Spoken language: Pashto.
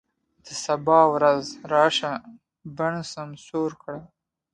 د سبا په وزر راشه، بڼ سمسور کړه